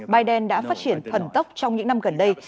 biden đã phát triển thần tốc trong những năm gần đây